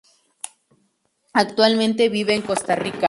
Actualmente vive en Costa Rica.